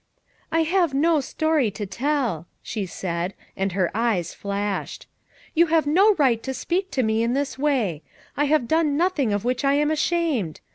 "I have no stoiy to tell," she said, and her eyes flashed. "You have no right to speak to me in this way; I have done nothing of which I am ashamed.